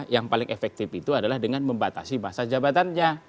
yang paling efektif itu adalah dengan membatasi masa jabatannya